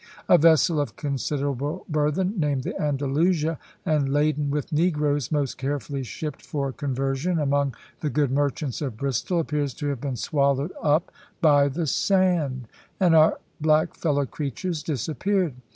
A vessel of considerable burthen, named the Andalusia, and laden with negroes, most carefully shipped for conversion among the good merchants of Bristol, appears to have been swallowed up by the sand; and our black fellow creatures disappeared.